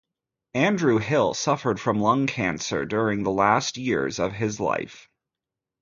Andrew Hill suffered from lung cancer during the last years of his life.